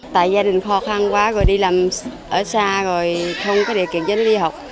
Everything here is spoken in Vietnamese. tại gia đình khó khăn quá rồi đi làm ở xa rồi không có địa kiện dành đi học